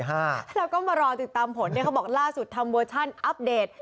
แล้วก็มารอติดตามผลเขาบอกล่าสุดทำเวอร์ชันอัปเดต